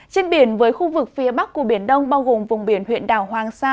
trên biển với khu vực phía bắc của biển đông bao gồm vùng biển huyện đảo hoàng sa